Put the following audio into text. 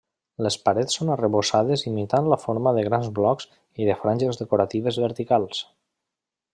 Les parets són arrebossades imitant la forma de grans blocs i de franges decoratives verticals.